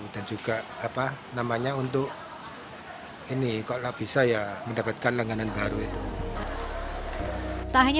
dan juga apa namanya untuk ini kok bisa ya mendapatkan langganan baru itu tak hanya